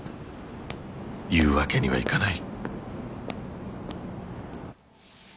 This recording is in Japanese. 言うわけにはいかない。